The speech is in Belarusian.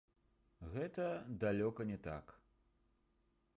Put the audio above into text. Гэта далёка не так.